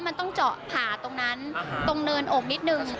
มันต้องเจาะผ่าตรงนั้นตรงเนินอกนิดนึง